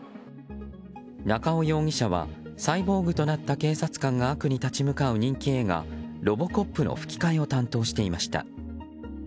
中尾容疑者はサイボーグとなった警察官が悪に立ち向かう人気映画「ロボコップ」の吹き替えを担当していました。